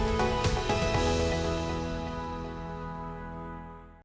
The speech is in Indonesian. jadi kita harus menghasilkan kebijakan yang lebih kontroversial